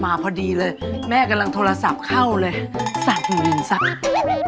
พอดีเลยแม่กำลังโทรศัพท์เข้าเลยสักหนึ่งสัก